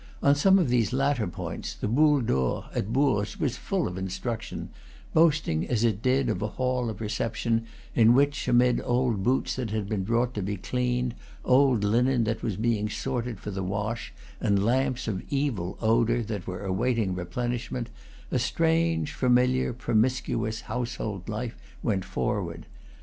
On some of these latter points the Boule d'Or at Bourges was full of instruction; boasting, as it did, of a hall of reception in which, amid old boots that had been brought to be cleaned, old linen that was being sorted for the wash, and lamps of evil odor that were awaiting replenish ment, a strange, familiar, promiscuous household life went forward.